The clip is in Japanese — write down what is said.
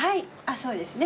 そうですね